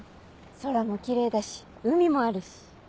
空もきれいだし海もあるし。